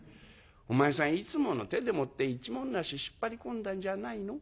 お前さんいつもの手でもって一文無し引っ張り込んだんじゃないの？」。